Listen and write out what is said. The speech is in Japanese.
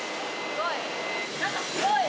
すごい。